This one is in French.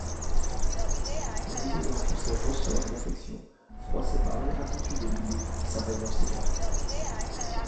Brisée dans tous ses ressorts d’affection, froissée par l’ingratitude et l’oubli, sa raison s’égare.